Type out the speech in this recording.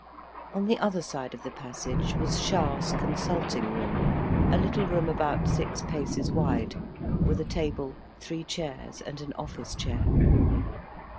On the other side of the passage was Charles's consulting room, a little room about six paces wide, with a table, three chairs, and an office chair.